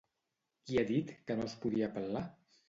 Qui ha dit que no es podia apel·lar?